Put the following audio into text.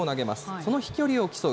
その飛距離を競う